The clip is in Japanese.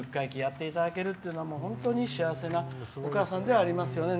５０回忌を行えるっていうのは本当に幸せなお母さんではありますね。